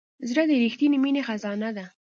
زړه د رښتینې مینې خزانه ده.